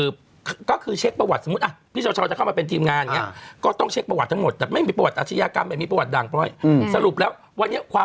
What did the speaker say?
บ่อนเปิดจะลอยจะไม่ลอยอย่างนี้เขาไม่กลัวหรือเปล่า